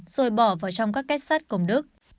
rồi bỏ vào trong các kết sát công đức